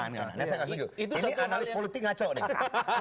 nah saya gak setuju ini analis politik ngaco deh